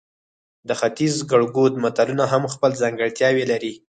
د ختیز ګړدود متلونه هم خپل ځانګړتیاوې لري